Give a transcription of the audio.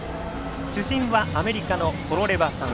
主審はアメリカのコロレバさん。